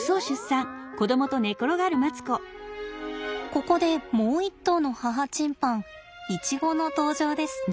ここでもう一頭の母チンパンイチゴの登場です。